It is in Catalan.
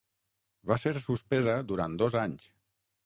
Va ser suspesa durant dos anys.